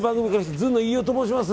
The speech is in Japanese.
ずんの飯尾と申します。